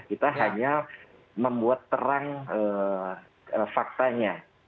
kita hanya membuat terang faktanya